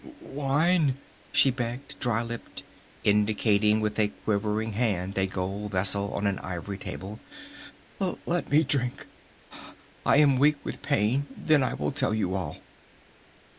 "Wine!" she begged, dry lipped, indicating with a quivering hand a gold vessel on an ivory table. "Let me drink. I am weak with pain. Then I will tell you all."